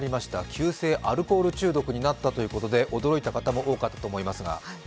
急性アルコール中毒になったということで驚いた方も多かったと思いますが。